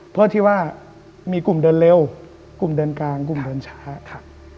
เพื่อที่ว่ามีกลุ่มเดินเร็วกลุ่มเดินกลางกลุ่มเดินช้าค่ะ